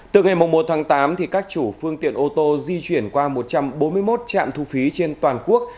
từ ngày một tháng tám các chủ phương tiện ô tô di chuyển qua một trăm bốn mươi một trạm thu phí trên toàn quốc